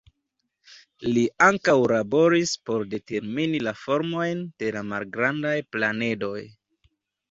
Li ankaŭ laboris por determini la formojn de la malgrandaj planedoj.